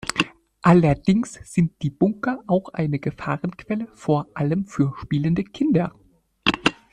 Allerdings sind die Bunker auch eine Gefahrenquelle, vor allem für spielende Kinder.